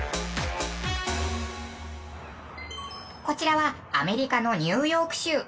こちらはアメリカのニューヨーク州。